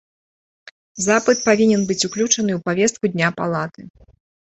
Запыт павінен быць уключаны ў павестку дня палаты.